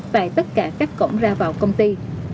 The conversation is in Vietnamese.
tại tất cả các cổng ra vào công ty